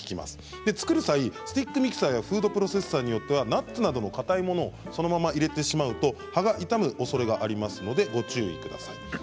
作る際、スティックミキサーやフードプロセッサーによってはナッツなどのかたいものをそのまま入れてしまうと刃が傷むおそれがありますのでご注意ください。